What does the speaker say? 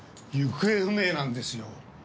行方不明なんですよ。